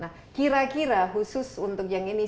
nah kira kira khusus untuk yang ini